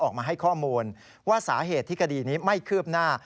ออกมาให้ข้อมูลว่าสาเหตุที่คดีนี้ไม่คืบหน้า